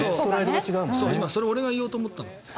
今それ俺が言おうと思ったの。